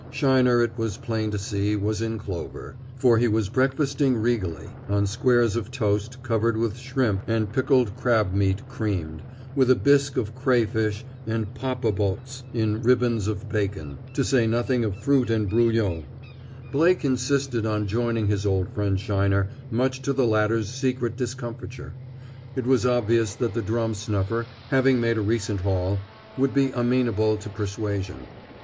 Sheiner, it was plain to see, was in clover, for he was breakfasting regally, on squares of toast covered with shrimp and picked crab meat creamed, with a bisque of cray fish and papa bottes in ribbons of bacon, to say nothing of fruit and bruilleau. Blake insisted on joining his old friend Sheiner, much to the latter's secret discomfiture. It was obvious that the drum snuffer, having made a recent haul, would be amenable to persuasion.